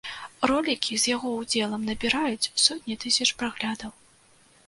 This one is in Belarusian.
Ролікі з яго удзелам набіраюць сотні тысяч праглядаў.